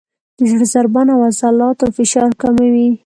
د زړه ضربان او عضلاتو فشار کموي،